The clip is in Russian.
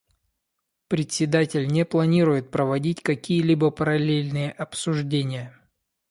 Председатель не планирует проводить какие-либо параллельные обсуждения.